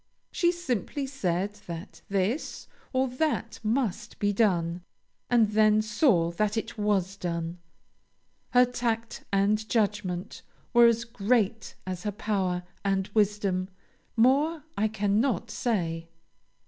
She simply said that this or that must be done, and then saw that it was done. Her tact and judgment were as great as her power and wisdom; more I cannot say.